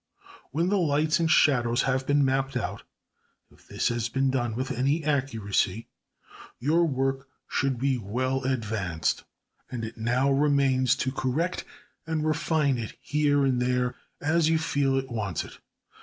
When the lights and shadows have been mapped out, if this has been done with any accuracy, your work should be well advanced. And it now remains to correct and refine it here and there, as you feel it wants it.